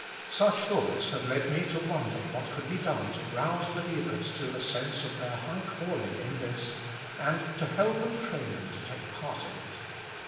Such thoughts have led me to wonder what could be done to rouse believers to a sense of their high calling in this, and to help and train them to take part in it.